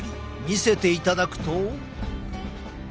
見せていただくと。